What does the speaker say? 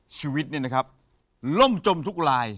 ชีวิตเนี่ยนะครับล่มจมทุกลาย